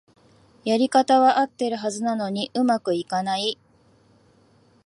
やり方はあってるはずなのに上手くいかない